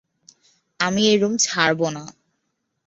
আমি এই রুম ছাড়ব না।